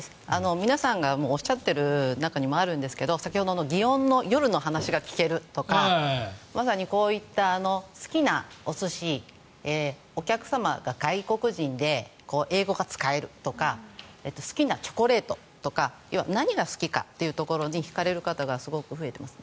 皆さんがおっしゃっている中にもあるんですけど先ほどの祇園の夜の話が聞けるとかまさにこういった、好きなお寿司お客様が外国人で英語が使えるとか好きなチョコレートとか何が好きかというところに引かれる方がすごく増えています。